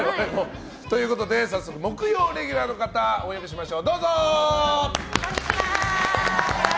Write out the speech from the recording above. ということで早速木曜レギュラーの方お呼びしましょう。